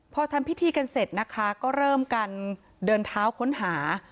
พอทำพิธีกันเสร็จนะคะก็เริ่มกันเดินเท้าค้นหา